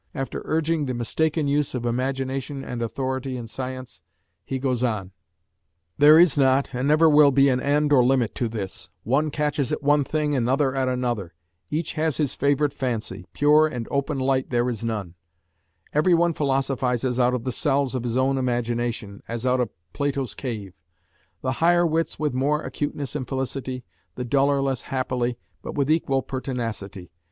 After urging the mistaken use of imagination and authority in science, he goes on "There is not and never will be an end or limit to this; one catches at one thing, another at another; each has his favourite fancy; pure and open light there is none; every one philosophises out of the cells of his own imagination, as out of Plato's cave; the higher wits with more acuteness and felicity, the duller, less happily, but with equal pertinacity.